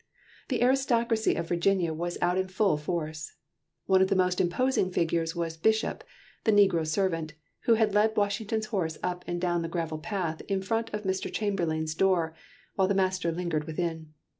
The aristocracy of Virginia was out in full force. One of the most imposing figures was Bishop, the negro servant, who had led Washington's horse up and down the gravelled path in front of Mr. Chamberlayne's door while the master lingered within.